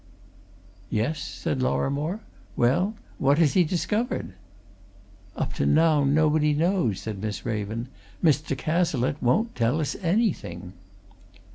"Yes?" said Lorrimore. "Well what has he discovered?" "Up to now nobody knows," said Miss Raven. "Mr. Cazalette won't tell us anything."